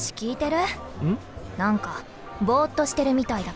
何かボッとしてるみたいだけど？